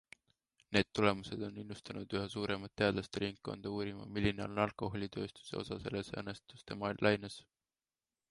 Need tulemused on innustanud üha suuremat teadlaste ringkonda uurima, milline on alkoholitööstuse osa selles õnnetuste laines.